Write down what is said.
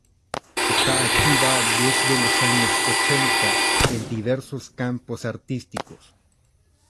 Está activa desde los años ochenta en diversos campos artísticos.